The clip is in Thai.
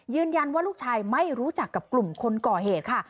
ยืนยันว่าลูกชายไม่รู้จักกับกลุ่มคนก่อเหตุค่ะ